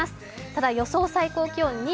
ただ、予想最高気温２５度。